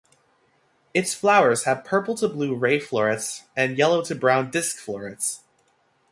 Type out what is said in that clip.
Its flowers have purple to blue ray florets and yellow to brown disk florets.